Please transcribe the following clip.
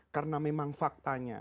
karena memang faktanya